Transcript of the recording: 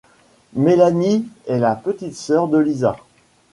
Mélanie est la petite sœur de Lisa.